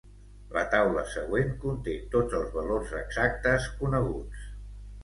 La taula següent conté tots els valors exactes coneguts.